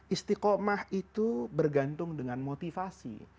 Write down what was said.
istiqomah itu bergantung dengan motivasi